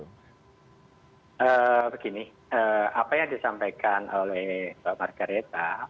begini apa yang disampaikan oleh pak margaret